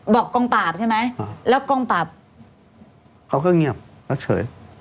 บอกกองตาใช่ไหมอ่าแล้วกองตาเขาก็เงียบเพราะเฉย